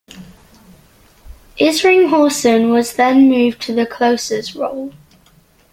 Isringhausen was then moved to the closer's role.